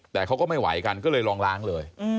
แต่เขาก็ไม่ไหวกันก็เลยลองล้างเลย